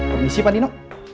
permisi pak nino